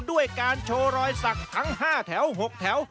ด้วยการโชว์รอยสักทั้ง๕แถว๖แถว